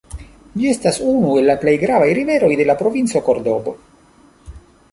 Ĝi estas unu el la plej gravaj riveroj de la provinco Kordobo.